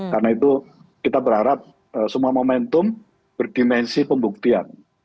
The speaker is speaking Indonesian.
karena itu kita berharap semua momentum berdimensi pembuktian